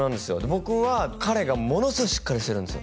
僕は彼がものすごいしっかりしてるんですよ